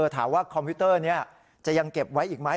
คอมพิวเตอร์นี้จะยังเก็บไว้อีกไหม